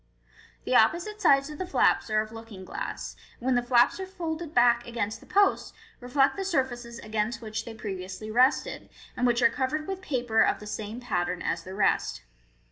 The opposite sides of the flaps are of looking glass, and when the flaps are folded back against the posts, reflect the surfaces against which they previously rested, and which are covered with paper of the same pattern as the rest.